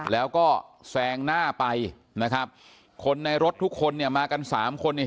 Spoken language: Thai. แล้วก็แซงหน้าไปนะครับคนในรถทุกคนเนี่ยมากันสามคนเนี่ย